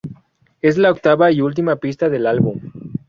Es la octava y última pista del álbum.